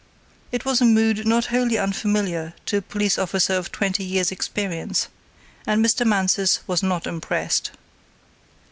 It was a mood not wholly unfamiliar to a police officer of twenty years experience and Mr. Mansus was not impressed.